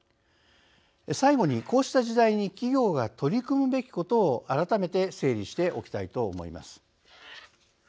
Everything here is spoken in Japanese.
最後にこうした時代に企業が取り組むべきことを改めて整理しておきたいと思います。